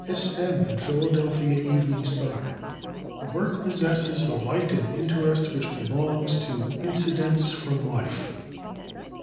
"S. M." in Philadelphia Evening Star. The work possesses "the Light and Interest Which Belongs to Incidents from Life."